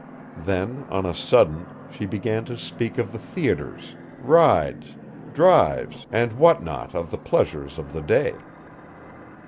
Then, on a sudden, she began to speak of the theaters, rides, drives and what not of the pleasures of the day.